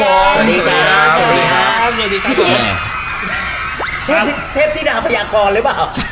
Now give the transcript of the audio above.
สวัสดีครับสวัสดีครับสวัสดีครับนี่ไงเทปที่ด่าประหยากรหรือเปล่า